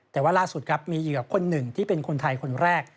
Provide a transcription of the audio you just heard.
แต่ว่าล่าสุดครับมีเหยื่อคนหนึ่งที่เป็นคนไทยคนแรก